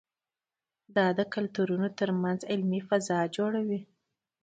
دا د کلتورونو ترمنځ علمي فضا جوړوي.